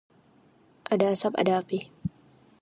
Ada asap ada api